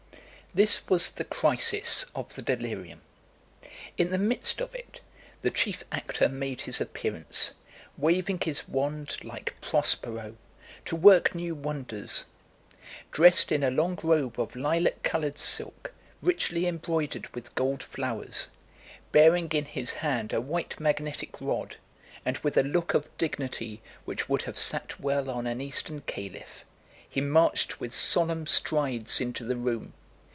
This was the crisis of the delirium. In the midst of it, the chief actor made his appearance, waving his wand, like Prospero, to work new wonders. Dressed in a long robe of lilac coloured silk richly embroidered with gold flowers, bearing in his hand a white magnetic rod, and with a look of dignity which would have sat well on an eastern caliph, he marched with solemn strides into the room.